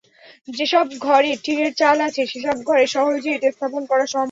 যেসব ঘরে টিনের চাল আছে, সেসব ঘরে সহজেই এটি স্থাপন করা সম্ভব।